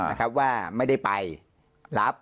นะครับว่าไม่ได้ไปรับ